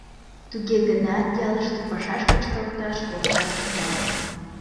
Туге гынат ялыште пашаш кычкалташ огешат шоналте.